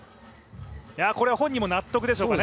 これは本人も納得でしょうかね。